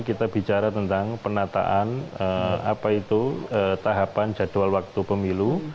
kita bicara tentang penataan tahapan jadwal waktu pemilu